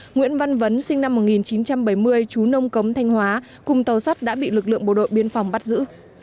nguyễn văn vấn sinh năm một nghìn chín trăm bảy mươi chú nông cống thanh hóa cùng tàu sắt đã bị lực lượng bộ đội biên phòng bắt giữ